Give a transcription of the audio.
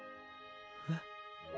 えっ？